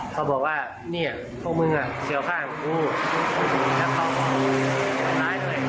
เขาบอกว่าเนี่ยพวกมึงอ่ะเกี่ยวข้างกูแล้วเขามีทำร้ายด้วย